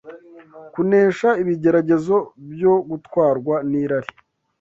kunesha ibigeragezo byo gutwarwa n’irari